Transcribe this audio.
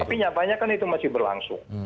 tapi nyatanya kan itu masih berlangsung